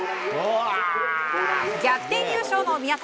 逆転優勝の宮田。